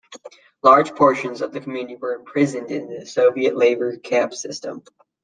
Large portions of the community were imprisoned in the Soviet labor camp system.